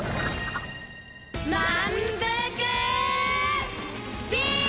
まんぷくビーム！